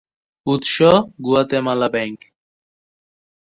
উৎস: Guatemala bank.